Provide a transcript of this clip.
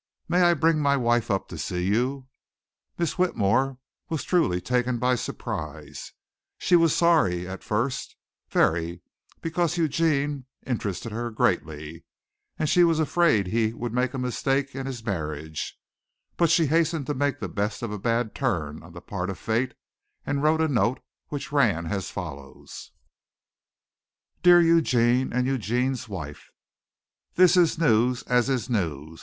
May I bring my wife up to see you?" Miss Whitmore was truly taken by surprise. She was sorry at first very because Eugene interested her greatly and she was afraid he would make a mistake in his marriage; but she hastened to make the best of a bad turn on the part of fate and wrote a note which ran as follows: "Dear Eugene and Eugene's Wife: "This is news as is news.